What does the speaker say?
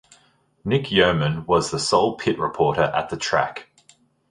Nick Yeoman was the sole pit reporter at the track.